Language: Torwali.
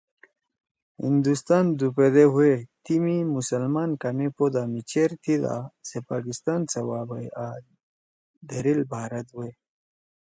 ہندوستان دُو پدے ہُوئے تی می مسلمان کامے پودا می چیر تھِی دا سے پاکستان سوَا بَئے آں دھریل بھارت ہوئے